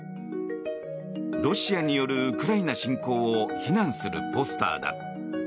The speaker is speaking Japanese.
ロシアによるウクライナ侵攻を非難するポスターだ。